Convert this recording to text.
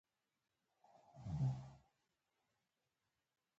پام کوه چې په خپلو خبرو او کړو.